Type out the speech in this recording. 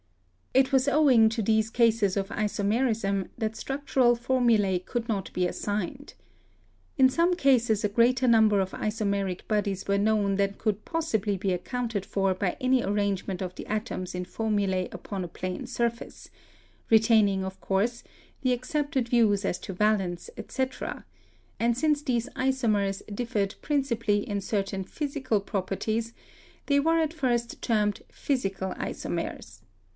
It was owing to these cases of isomerism that structural formulae could not be assigned. In some cases a greater number of isomeric bodies were known than could possibly be accounted for by any arrangement of the atoms in formulae upon a plane surface, retaining, of course, the accepted views as to valence, etc., and since these isomers differed principally in certain physical properties, they were at first termed "physical isomers."